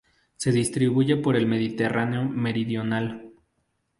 Se distribuye por el Mediterráneo meridional.